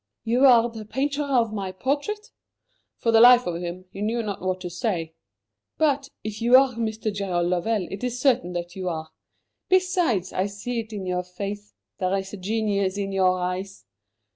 "You are the painter of my portrait?" For the life of him, he knew not what to say. "But, if you are Mr. Gerald Lovell, it is certain that you are. Besides, I see it in your face. There is genius in your eyes.